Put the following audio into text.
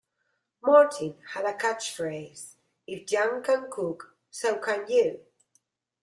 Martin had a catchphrase, If Yan can cook, so can you!